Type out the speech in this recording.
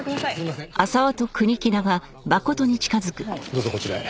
どうぞこちらへ。